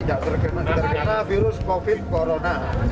tidak terkena terkena virus covid sembilan belas